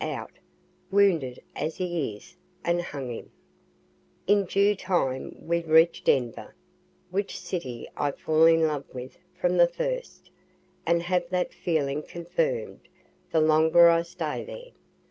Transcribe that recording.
out, wounded as he is, and hang him. In due time we reach Denver, which city I fall in love with from the first, and have that feeling confirm'd, the longer I stay there.